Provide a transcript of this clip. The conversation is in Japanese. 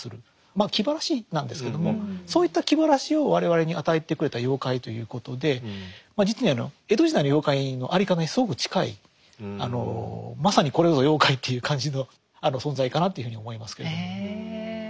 まあ気晴らしなんですけどもそういった気晴らしを我々に与えてくれた妖怪ということでまあ実にあの江戸時代の妖怪の在り方にすごく近いまさにこれぞ妖怪っていう感じの存在かなっていうふうに思いますけれども。